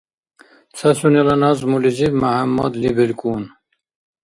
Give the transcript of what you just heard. Ца сунела назмулизиб Мяхӏяммадли белкӏун